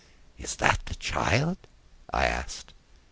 "Is that the child?" I asked.